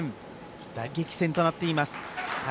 大激戦となっています。